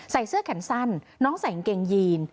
ใส่เสื้อแขนสั้นน้องใส่เกงยีน